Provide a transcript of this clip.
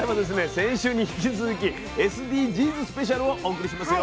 先週に引き続きＳＤＧｓスペシャルをお送りしますよ。